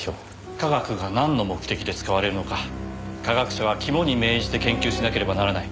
科学がなんの目的で使われるのか科学者は肝に銘じて研究しなければならない。